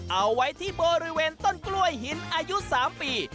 เอาไว้ที่บริเวณต้นกล้วยหินอายุ๓ปี